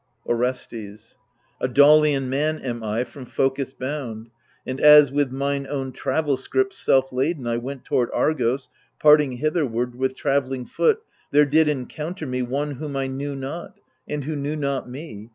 n ^ Orestes A Daulian man am I, from Phocis bound, And as with mine own travel scrip self laden I went toward Argos, parting hitherward With travelling foot, there did encounter me One whom I knew not and who knew not me.